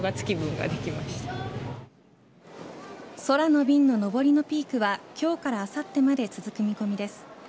空の便の上りのピークは今日からあさってまで続く見込みです。